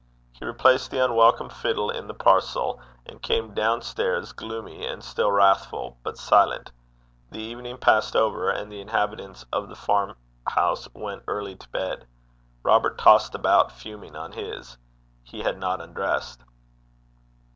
He replaced the unwelcome fiddle in the parcel, and came down stairs gloomy and still wrathful, but silent. The evening passed over, and the inhabitants of the farmhouse went early to bed. Robert tossed about fuming on his. He had not undressed.